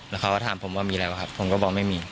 แล้วเขาก็ถามผมว่ามีแล้วครับผมก็บอกไม่มี